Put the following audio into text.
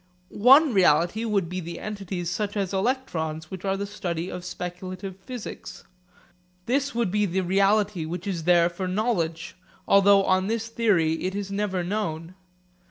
One reality would be the entities such as electrons which are the study of speculative physics. This would be the reality which is there for knowledge; although on this theory it is never known.